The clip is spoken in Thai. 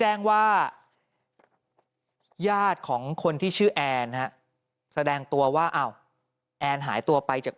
หลังจากพบศพผู้หญิงปริศนาตายตรงนี้ครับ